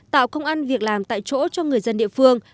tạo công an việc làm tại chỗ cho người dân địa phương